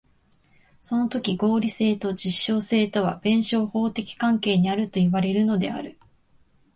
そのとき合理性と実証性とは弁証法的関係にあるといわれるのである。